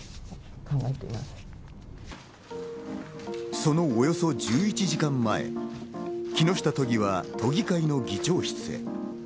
そのおよそ１１時間前、木下都議は都議会の議長室へ。